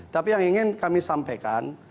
tapi yang ingin kami sampaikan